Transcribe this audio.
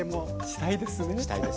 したいですね。